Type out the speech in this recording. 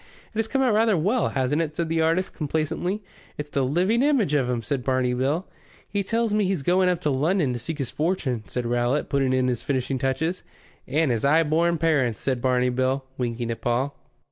"It has come out rather well, hasn't it?" said the artist, complacently. "It's the living image of 'im," said Barney Bill. "He tells me he's going up to London to seek his fortune," said Rowlatt, putting in the finishing touches. "And his 'igh born parents," said Barney Bill, winking at Paul.